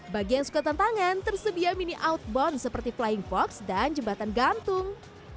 bagi yang suka tantangan tersedia mini outbound seperti flying fox dan jembatan gantung